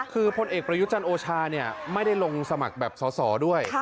คือผลเอกประยุจรรย์โอชาเนี้ยไม่ได้ลงสมัครแบบสอด้วย